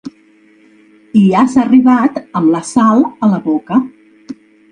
I has arribat amb la sal a la boca.